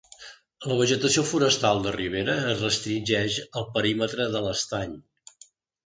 La vegetació forestal de ribera es restringeix al perímetre de l'estany.